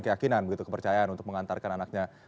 keyakinan begitu kepercayaan untuk mengantarkan anaknya